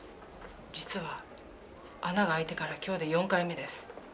実は穴があいてから今日で四回目です。